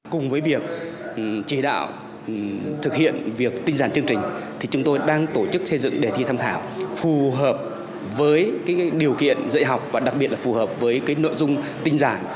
cùng với việc chỉ đạo thực hiện việc tinh giản chương trình thì chúng tôi đang tổ chức xây dựng đề thi tham khảo phù hợp với điều kiện dạy học và đặc biệt là phù hợp với nội dung tinh giản